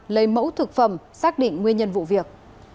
lấy mẫu thực phẩm xác định nguyên nhân vụ việc